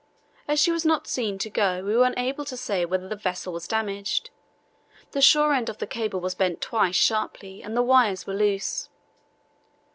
As she was not seen to go we are unable to say whether the vessel was damaged. The shore end of the cable was bent twice sharply, and the wires were loose.